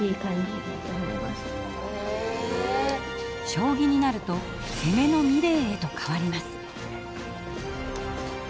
将棋になると攻めの美礼へと変わります。